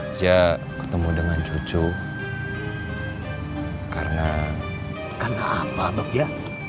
ya ketemu dengan cucu karena karena apa dok ya